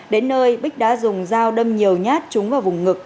đến nơi bích đã dùng dao đâm nhiều nhát trúng vào vùng ngực